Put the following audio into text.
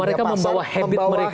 mereka membawa habit mereka